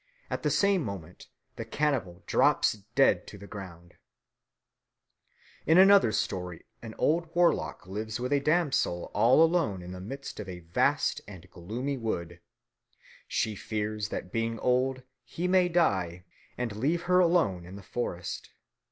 At the same moment the cannibal drops dead to the ground. In another German story and old warlock lives with a damsel all alone in the midst of a vast and gloomy wood. She fears that being old he may die and leave her alone in the forest.